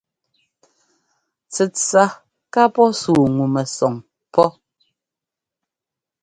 Tsɛtsa ka pɔ́ sú ŋu mɛsɔn pɔ́.